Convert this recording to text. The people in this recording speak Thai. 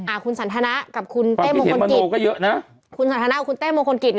อะคุณศัลทน้ากับคุณเต้มมงคลกิจ